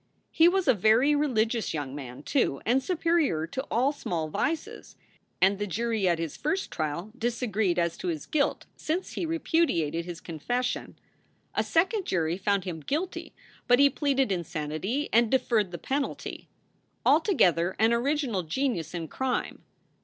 He was a very religious young man, too, and superior to all small vices. And the jury at his first trial disagreed as to his guilt, since he repudiated his confession. A second jury found him guilty, but he pleaded insanity and deferred the penalty. Altogether an original genius in crime.